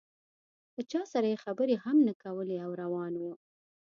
له چا سره یې خبرې هم نه کولې او روان و.